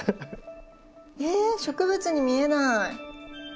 えっ植物に見えない。